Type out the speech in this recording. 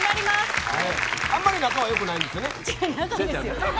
あんまり仲は良くないんですよね。